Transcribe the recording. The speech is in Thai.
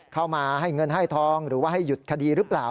เข้ามาให้เงินให้ทองหรือว่าให้หยุดคดีหรือเปล่า